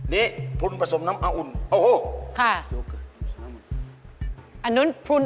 นี่พุนผสมน้ำอ่าหุ่น